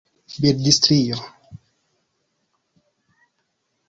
bildstrio